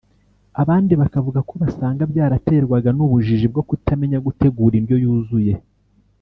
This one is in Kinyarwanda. abandi bakavuga ko basanga byaraterwaga n’ubujiji bwo kutamenya gutegura indyo yuzuye